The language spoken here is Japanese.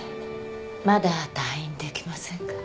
まだ退院できませんか？